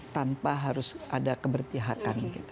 tanpa harus ada keberpihakan